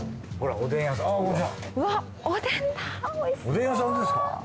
おでん屋さんですか？